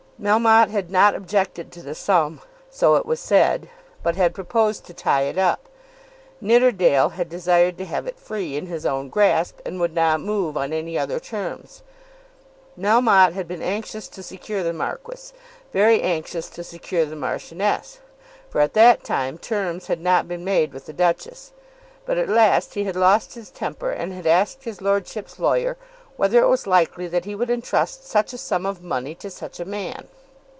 Melmotte had not objected to the sum, so it was said, but had proposed to tie it up. Nidderdale had desired to have it free in his own grasp, and would not move on any other terms. Melmotte had been anxious to secure the Marquis, very anxious to secure the Marchioness; for at that time terms had not been made with the Duchess; but at last he had lost his temper, and had asked his lordship's lawyer whether it was likely that he would entrust such a sum of money to such a man.